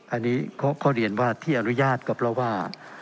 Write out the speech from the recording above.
อันนี้เขาเรียนว่าที่อนุญาตกับเราว่า